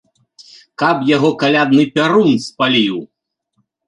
Каб яго калядны пярун спаліў!